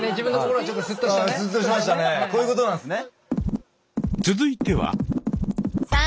こういうことなんすね。